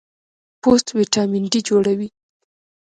پوست وټامین ډي جوړوي.